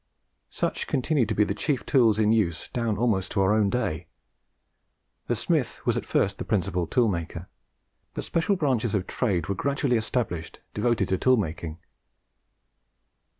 Such continued to be the chief tools in use down almost to our own day. The smith was at first the principal tool maker; but special branches of trade were gradually established, devoted to tool making.